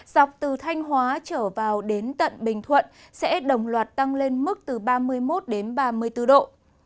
dọc từ thanh hóa trở vào đến tận bình thuận sẽ đồng loạt tăng lên mức từ ba mươi một đến ba mươi bốn độ